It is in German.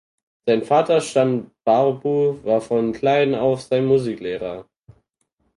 Sein Vater Stan Barbu war von klein auf sein Musiklehrer.